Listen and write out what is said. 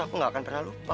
aku gak akan pernah lupa